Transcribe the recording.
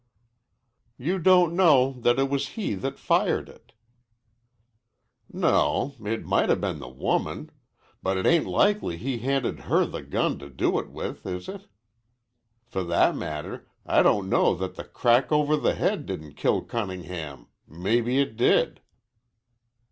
"You don't know that it was he that fired it." "No, it might 'a' been the woman. But it ain't likely he handed her the gun to do it with, is it? For that matter I don't know that the crack over the head didn't kill Cunningham. Maybe it did."